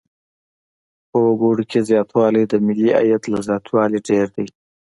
په وګړو کې زیاتوالی د ملي عاید له زیاتوالي ډېر دی.